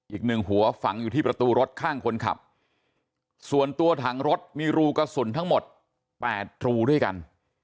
อีกหนึ่งหัวฝังอยู่ที่ประตูรถข้างคนขับส่วนตัวถังรถมีรูกระสุนทั้งหมด๘รูด้วยกัน